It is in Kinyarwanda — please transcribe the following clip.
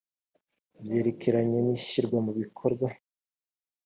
byerekeranye n ishyirwa mu bikorwa